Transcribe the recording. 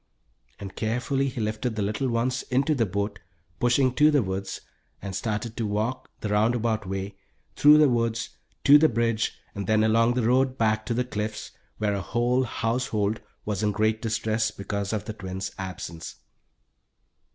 and carefully he lifted the little ones into the boat, pushing to the woods, and started off to walk the round about way, through the woods, to the bridge, then along the road back to the Cliffs, where a whole household was in great distress because of the twins' absence.